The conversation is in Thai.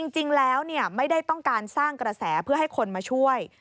จริงแล้วไม่ได้ต้องการสร้างกระแสเพื่อให้คนมาช่วย